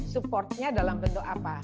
support nya dalam bentuk apa